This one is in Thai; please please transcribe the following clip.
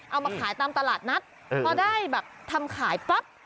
เอามาขายตามตลาดนัดพอได้แบบทำขายปั๊บ